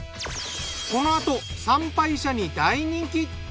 このあと参拝者に大人気！